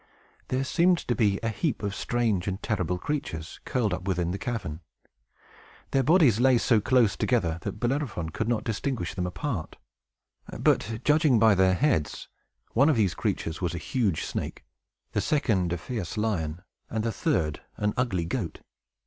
There seemed to be a heap of strange and terrible creatures curled up within the cavern. Their bodies lay so close together, that Bellerophon could not distinguish them apart; but, judging by their heads, one of these creatures was a huge snake, the second a fierce lion, and the third an ugly goat.